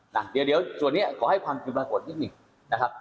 นะเดี๋ยวส่วนนี้ขอให้ความจริงปรากฏนิดหนึ่งนะครับ